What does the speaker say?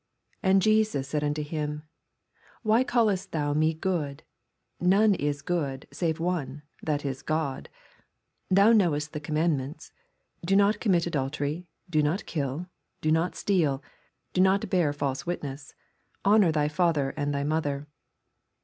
19 And Jesus said unto him, Why caliest thou me good ? none is good, save one, thai m, God. 20 Thou knowest the command ments, Do not commit adultery, Do not kill, Do not steal. Do not bear false witness, Honor tny father and thy mother.